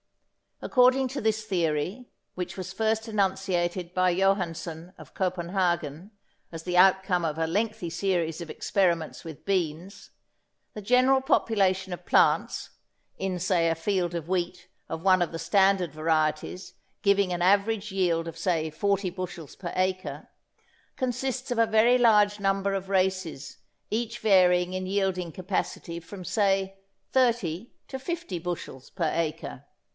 According to this theory, which was first enunciated by Johannsen of Copenhagen as the outcome of a lengthy series of experiments with beans, the general population of plants, in say a field of wheat of one of the standard varieties giving an average yield of say 40 bushels per acre, consists of a very large number of races each varying in yielding capacity from say 30 to 50 bushels per acre.